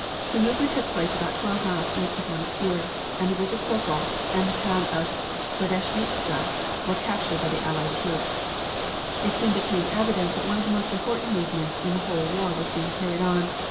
The movement took place about twelve miles east of Monastir and the ridge of Sokol, and the town of Gradeshnitsa were captured by the Allied troops. It soon became evident that one of the most important movements in the whole war was being carried on.